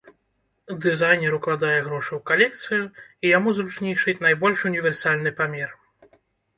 Дызайнер укладае грошы ў калекцыю, і яму зручней шыць найбольш універсальны памер.